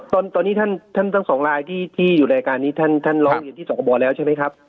ตอนตอนนี้ท่านท่านตั้งสองลายที่ที่อยู่ในรายการนี้ท่านท่านร้องเรียนที่สอครบอแล้วใช่ไหมครับ